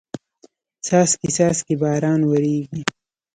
څاڅکي څاڅکي باران وریږي